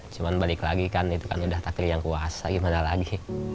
cuman balik lagi kan itu kan udah tak pilih yang kuasa gimana lagi